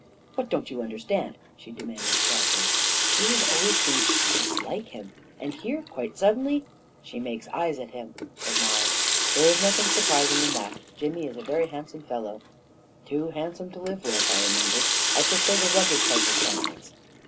"What don't you understand?" she demanded sharply. " She has always seemed to dislike him — and here, quite suddenly ..." 11 She makes eyes at him," said Mollie. " There is nothing surprising in that. Jimmy is a very hand some fellow." 44 Too handsome to live with," I amended. " I prefer the rugged type of countenance."